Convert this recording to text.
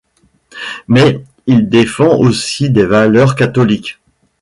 Mais il défend aussi des valeurs catholiques.